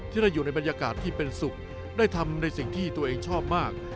ได้อยู่ในบรรยากาศที่เป็นสุขได้ทำในสิ่งที่ตัวเองชอบมาก